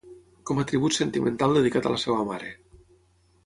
Com a tribut sentimental dedicat a la seva mare